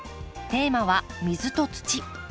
テーマは「水と土」。